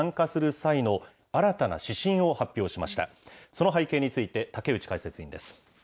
その背景について、竹内解説委員です。